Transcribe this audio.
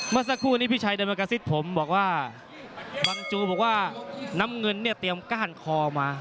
เมื่อสักครู่นี้พี่ชัยเดินมากระซิบผมบอกว่าบังจูบอกว่าน้ำเงินเนี่ยเตรียมก้านคอมา